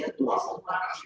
ya itu asli